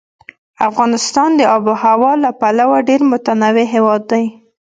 افغانستان د آب وهوا له پلوه ډېر متنوع هېواد دی.